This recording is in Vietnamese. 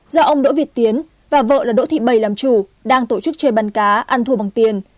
do ông đỗ việt tiến và vợ là đỗ thị bảy làm chủ đang tổ chức chơi bắn cá ăn thua bằng tiền